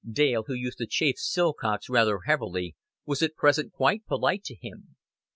Dale, who used to chaff Silcox rather heavily, was at present quite polite to him.